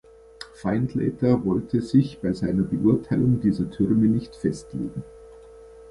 Findlater wollte sich bei seiner Beurteilung dieser Türme nicht festlegen.